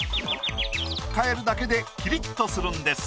変えるだけでキリッとするんです。